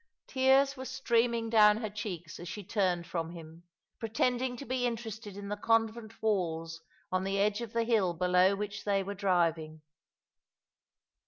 Tears were streaming down her cheeks as she turned from him, pretending to be interested in the convent walls on the edge of the hill below which they were driving.